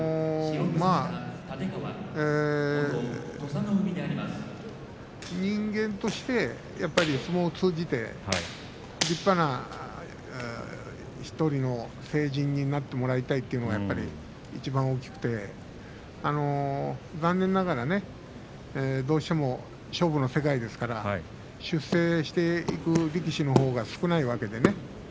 まあ、人間として相撲を通じて立派な１人の成人になってもらいたいというのが、いちばん大きくて残念ながらねどうしても勝負の世界ですから出世していく力士のほうが少ないわけでね。